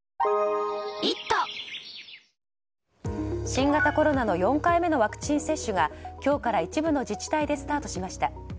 新型コロナの４回目のワクチン接種が今日から一部の自治体でスタートしました。